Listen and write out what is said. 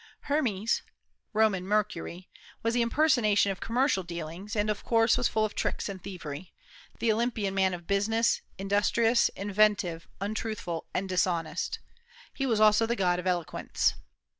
Hermes (Roman Mercury) was the impersonation of commercial dealings, and of course was full of tricks and thievery, the Olympian man of business, industrious, inventive, untruthful, and dishonest. He was also the god of eloquence.